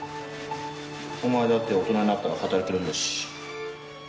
お前だって大人になったら働けるんだし。